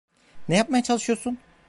Ne yapmaya çalışıyorsun?